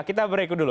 kita break dulu